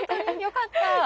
よかった。